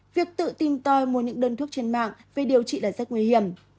việc tự tìm tòi mua những đơn thuốc trên mạng về điều trị là rất nguy hiểm